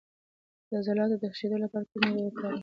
د عضلاتو د شخیدو لپاره کومې اوبه وکاروم؟